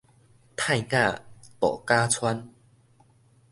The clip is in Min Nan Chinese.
泰雅渡假村